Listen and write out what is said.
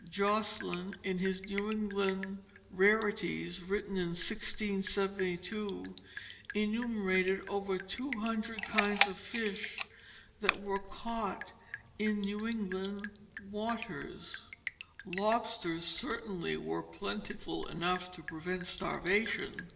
Josselyn, in his New England's Rarities, written in 1672, enumerated over two hundred kinds of fish that were caught in New England waters. Lobsters certainly were plentiful enough to prevent starvation.